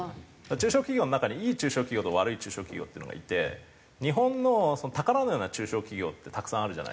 中小企業の中にいい中小企業と悪い中小企業っていうのがいて日本の宝のような中小企業ってたくさんあるじゃないですか。